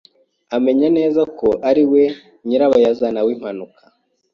Amenya neza ko ariwe nyirabayazana w'impanuka.